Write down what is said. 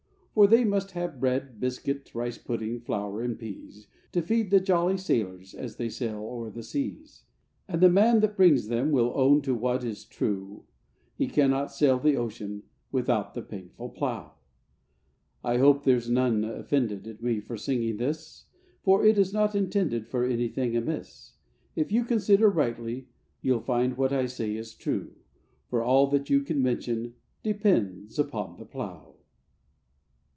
'For they must have bread, biscuit, rice pudding, flour and peas, To feed the jolly sailors as they sail o'er the seas; And the man that brings them will own to what is true, He cannot sail the ocean without the painful plough! 'I hope there's none offended at me for singing this, For it is not intended for anything amiss. If you consider rightly, you'll find what I say is true, For all that you can mention depends upon the plough.